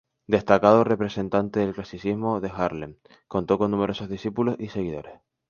Destacado representante del clasicismo de Haarlem, contó con numerosos discípulos y seguidores.